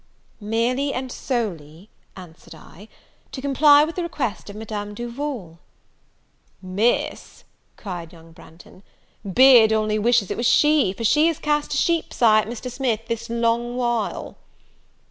"Merely and solely," answered I, "to comply with the request of Madame Duval." "Miss," cried young Branghton, "Bid only wishes it was she, for she has cast a sheep's eye at Mr. Smith this long while."